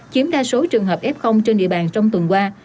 chiếm đa số trường hợp f trên địa bàn trong tuần qua